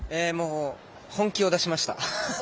本気を出しました。